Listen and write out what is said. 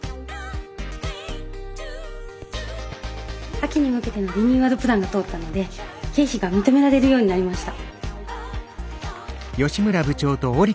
秋に向けてのリニューアルプランが通ったので経費が認められるようになりました。